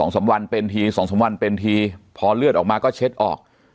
๒๓วันเป็นที๒๓วันเป็นทีพอเลือดออกมาก็เช็ดออก